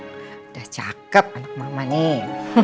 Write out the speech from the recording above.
sudah cakep anak mama nih